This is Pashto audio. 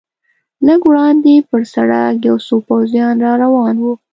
لږ وړاندې پر سړک یو څو پوځیان را روان و.